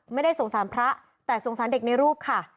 ไม่ได้สงสารพระแต่สงสารเด็กในรูปค่ะ